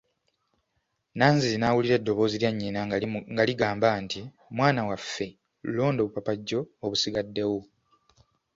Nanziri n'awulira eddoboozi lya nnyina nga ligamba nti, mwana waffe, londa obupapajjo obusigaddewo.